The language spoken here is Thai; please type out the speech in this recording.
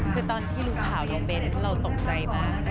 คือตอนที่รู้ข่าวน้องเบ้นเราตกใจมาก